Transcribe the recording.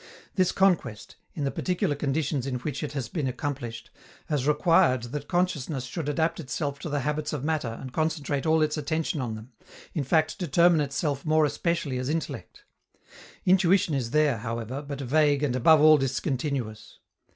This conquest, in the particular conditions in which it has been accomplished, has required that consciousness should adapt itself to the habits of matter and concentrate all its attention on them, in fact determine itself more especially as intellect. Intuition is there, however, but vague and above all discontinuous.